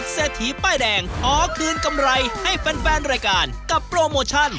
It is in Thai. เศรษฐีป้ายแดงขอคืนกำไรให้แฟนรายการกับโปรโมชั่น